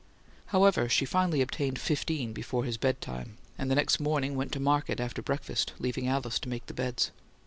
However, she finally obtained fifteen before his bedtime; and the next morning "went to market" after breakfast, leaving Alice to make the beds.